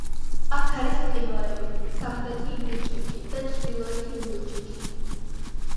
აქ არის მყინვარები: სამხრეთი ინილჩექი და ჩრდილოეთი ინილჩექი.